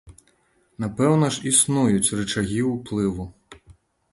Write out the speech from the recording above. Напэўна ж існуюць рычагі ўплыву.